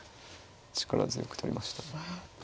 力強く取りました。